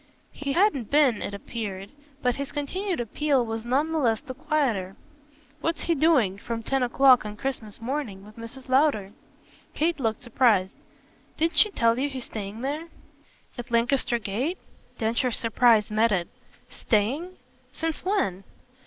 He hadn't been, it appeared; but his continued appeal was none the less the quieter. "What's he doing, from ten o'clock on Christmas morning, with Mrs. Lowder?" Kate looked surprised. "Didn't she tell you he's staying there?" "At Lancaster Gate?" Densher's surprise met it. "'Staying'? since when?"